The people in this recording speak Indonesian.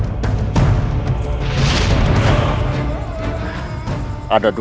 kanda prabu tidak menyadari kebohonganku